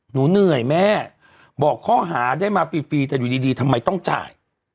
หนูเหนื่อยแม่บอกข้อหาได้มาฟรีแต่อยู่ดีทำไมต้องจ่าย